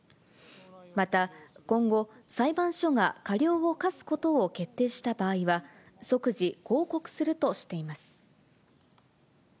また今後、裁判所が過料を科すことを決定した場合は、即時抗告するとしています。